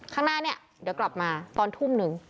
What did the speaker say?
ข้างหน้าเนี่ยเดี๋ยวกลับมาตอนทุ่มหนึ่ง